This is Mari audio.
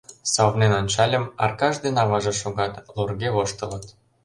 Савырнен ончальым: Аркаш ден аваже шогат, лорге воштылыт.